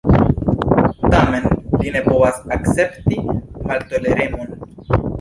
Tamen li ne povas akcepti maltoleremon.